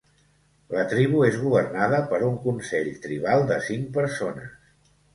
La tribu és governada per un consell tribal de cinc persones.